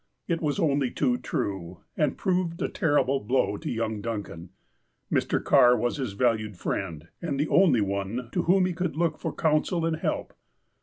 It was only too true, and proved a terrible blow to young Duncan. Mr. Carr was his valued friend, and the only one to whom he could look for counsel and help.